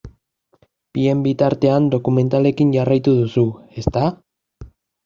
Bien bitartean dokumentalekin jarraitu duzu, ezta?